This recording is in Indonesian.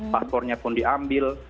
paspornya pun diambil